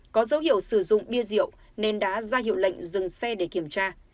có dấu hiệu sử dụng bia rượu nên đã ra hiệu lệnh dừng xe để kiểm tra